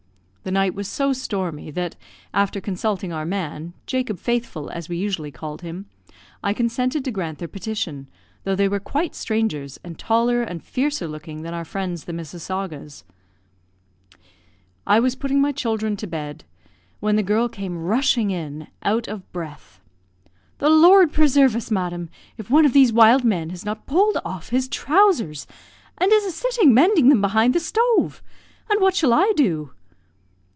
The night was so stormy, that, after consulting our man Jacob Faithful, as we usually called him I consented to grant their petition, although they were quite strangers, and taller and fiercer looking than our friends the Missasaguas. I was putting my children to bed, when the girl came rushing in, out of breath. "The Lord preserve us, madam, if one of these wild men has not pulled off his trousers, and is a sitting, mending them behind the stove! and what shall I do?"